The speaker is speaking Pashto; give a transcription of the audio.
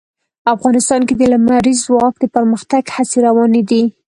افغانستان کې د لمریز ځواک د پرمختګ هڅې روانې دي.